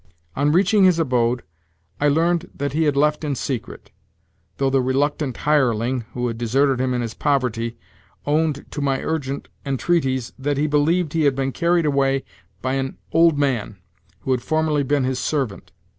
On reaching his abode, I learned that he had left it in secret; though the reluctant hireling, who had deserted him in his poverty, owned to my urgent entreaties, that he believed he had been carried away by an old man who had formerly been his servant.